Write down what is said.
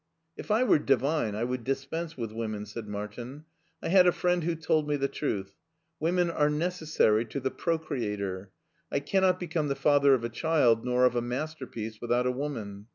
*'" If I were divine I would dispense with women," said Martin. '* I had a friend who told me the truth. Women are necessary to the procreator. I cannot become the father of a child nor of a masterpiece with out a woman.